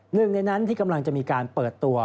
หนึ่งในนั้นที่กำลังจะมีการเปิดตัว